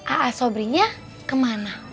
a a sobri nya kemana